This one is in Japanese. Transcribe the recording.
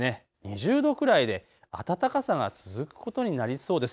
２０度くらいで暖かさが続くことになりそうです。